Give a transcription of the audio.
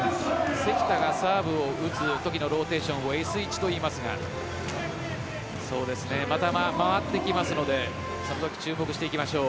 関田がサーブを打つときのローテーションをＳ１といいますがまた回ってきますので注目していきましょう。